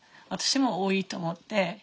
私も多いと思って。